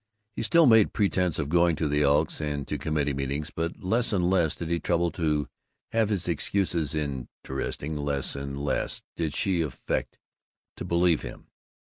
He still made pretense of going to the Elks and to committee meetings but less and less did he trouble to have his excuses interesting, less and less did she affect to believe them.